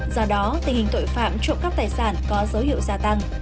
do đó tình hình tội phạm trộm cắp tài sản có dấu hiệu gia tăng